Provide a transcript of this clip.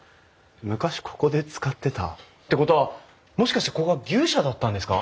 昔ここで使ってた？ってことはもしかしてここは牛舎だったんですか？